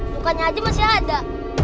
bukannya aja masih ada